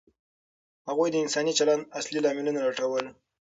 هغوی د انساني چلند اصلي لاملونه لټول.